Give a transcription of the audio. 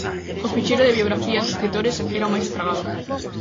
O ficheiro de biografías de escritores era o máis estragado.